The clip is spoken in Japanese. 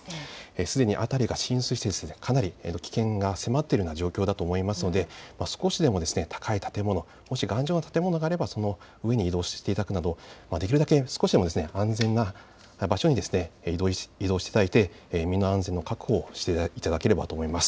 すでに辺りが浸水してかなり危険が迫っている状況だと思いますので、少しでも高い建物、もし頑丈な建物があればその上に移動していただくなどできるだけ少しでも安全な場所に移動していただいて身の安全を確保していただければと思います。